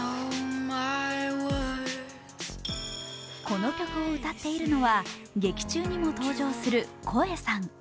この曲を歌っているのは、劇中にも登場するＫＯＥさん。